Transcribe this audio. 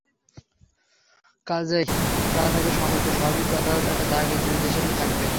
কাজেই তার আগে সম্পর্ক স্বাভাবিক করার একটা তাগিদ দুই দেশেরই থাকবে।